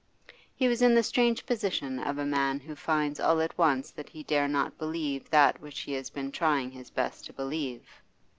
He was in the strange position of a man who finds all at once that he dare not believe that which he has been trying his best to believe.